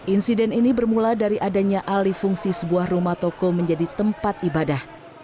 insiden ini bermula dari adanya alih fungsi sebuah rumah toko menjadi tempat ibadah